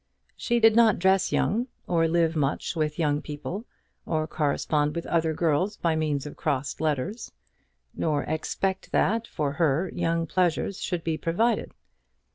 She did not dress young, or live much with young people, or correspond with other girls by means of crossed letters; nor expect that, for her, young pleasures should be provided.